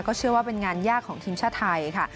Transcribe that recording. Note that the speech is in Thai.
เชื่อว่าเป็นงานยากของทีมชาติไทยค่ะ